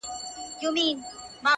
لا به مي څونه ژړوي د عمر توري ورځي،